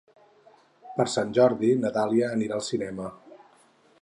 Per Sant Jordi na Dàlia anirà al cinema.